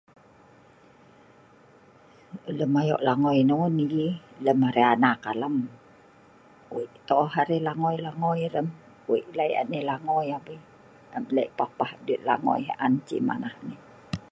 Lem ayoq langoi non nah yi. Lem arai anak alam, Wei tooh arai langoi-langoi reem. Wei le’ eek nai langoi abei. Et le’ eek papah langoi an si ceh nah